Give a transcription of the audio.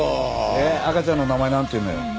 で赤ちゃんの名前なんていうのよ？